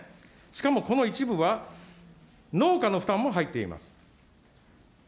しかもこの一部は、農家の負担も入っています。